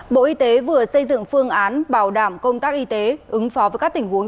bộ y tế vừa xây dựng phương án bảo đảm công tác y tế ứng phó với các tình huống